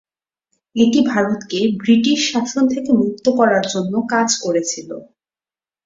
এটি ভারতকে ব্রিটিশ শাসন থেকে মুক্ত করার জন্য কাজ করেছিল।